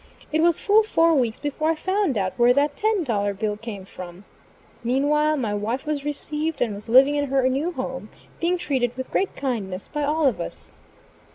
It was full four weeks before I found out where that ten dollar bill came from. Meanwhile, my wife was received and was living in her new home, being treated with great kindness by all of us.